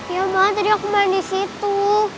iya banget tadi aku main disitu